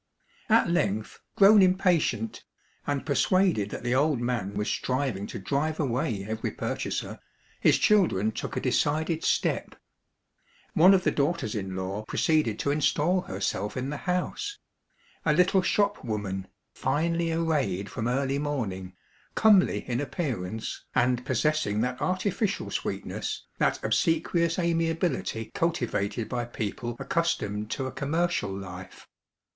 At length, grown impatient, and persuaded that the old man was striving to drive away every pur chaser, his children took a decided step. One of the daughters in law proceeded to install her self in the house, — a little shopwoman, finely arrayed from early morning, comely in appear ance, and possessing that artificial sweetness, that obsequious amiability cultivated by people accus tomed to a commercial life.